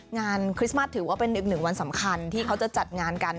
คริสต์มัสถือว่าเป็นอีกหนึ่งวันสำคัญที่เขาจะจัดงานกัน